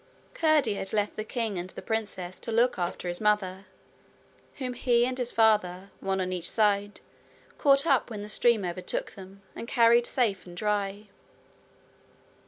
Curdie had left the king and the princess to look after his mother, whom he and his father, one on each side, caught up when the stream overtook them and carried safe and dry.